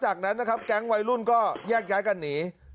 จากนั้นนะครับแก๊งวัยรุ่นก็แยกย้ายกันหนี